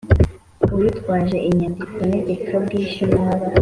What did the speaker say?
Uwitwaje inyandiko ntegekabwishyu ntaba